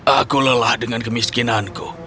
aku lelah dengan kemiskinanku